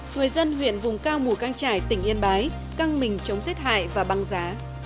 người dân huyện vùng cao mùa căng trải tỉnh yên bái căng mình chống giết hại và băng giá